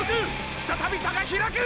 再び差がひらく！！